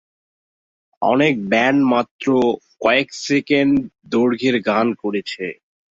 অনেক ব্যান্ড মাত্র কয়েক সেকেন্ড দৈর্ঘ্যের গান করেছে।